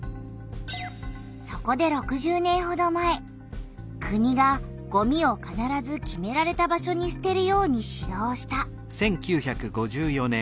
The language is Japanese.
そこで６０年ほど前国がごみをかならず決められた場所にすてるように指導した。